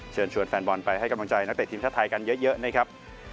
เชิญชวนแฟนบอลไปให้กำลังใจนักเตะทีมชาติไทยกันเยอะนะครับ